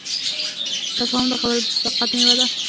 تفاهم د خبرو د صداقت میوه ده.